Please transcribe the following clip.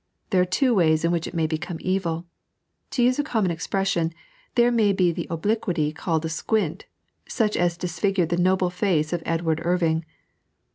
There are two ways in which it may become evil. To use a common expression, there may be the obliquity called a squint, such as disfigured the noble foce of Edward Irving.